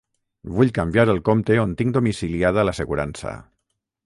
Vull canviar el compte on tinc domiciliada l'assegurança.